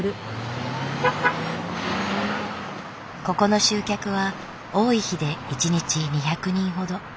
ここの集客は多い日で一日２００人ほど。